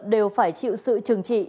đều phải chịu sự trừng trị